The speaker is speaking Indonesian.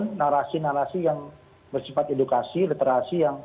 nah ini adalah narasi narasi yang bersifat edukasi literasi